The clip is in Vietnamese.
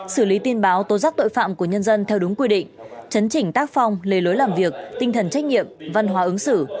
xử lý tin báo tố giác tội phạm của nhân dân theo đúng quy định chấn chỉnh tác phong lề lối làm việc tinh thần trách nhiệm văn hóa ứng xử